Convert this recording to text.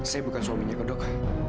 saya bukan suaminya dok